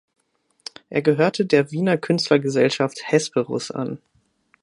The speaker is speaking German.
Er gehörte der Wiener Künstlergesellschaft "Hesperus" an.